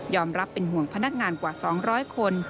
รับเป็นห่วงพนักงานกว่า๒๐๐คน